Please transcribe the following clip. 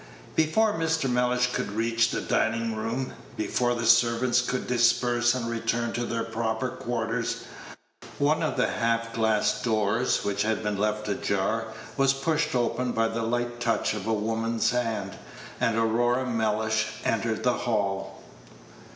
Before Mr. Mellish could reach the dining room, before the servants could disperse and return to their proper quarters, one of the half glass doors, which had been left ajar, was pushed open by the light touch of a woman's hand, and Aurora Mellish entered the hall.